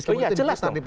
oh iya jelas dong